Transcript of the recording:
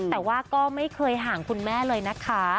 แต่ว่าก็ไม่เคยห่างคุณแม่เลยนะคะ